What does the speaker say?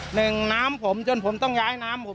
แหล่งน้ำผมจนผมต้องย้ายน้ำผม